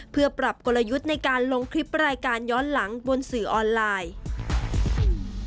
เพื่อปรับกลยุทธ์ในการลงคลิปรายการย้อนหลังบนสื่อออนไลน์